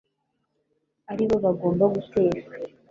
ari bo bagomba guteka